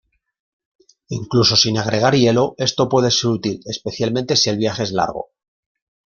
Incluso sin agregar hielo, esto puede ser útil, especialmente si el viaje es largo.